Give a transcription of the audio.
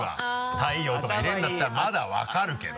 太陽とか入れるんだったらまだ分かるけど。